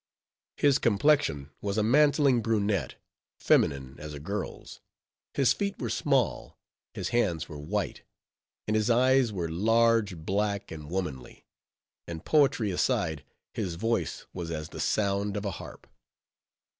His complexion was a mantling brunette, feminine as a girl's; his feet were small; his hands were white; and his eyes were large, black, and womanly; and, poetry aside, his voice was as the sound of a harp.